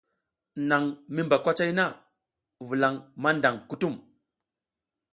Naƞ mi mba kwacay na, vulaƞ maƞdaƞ kutum.